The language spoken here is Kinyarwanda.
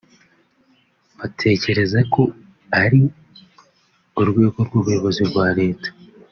batekereza ko ari urwego rw’ubuyobozi rwa Leta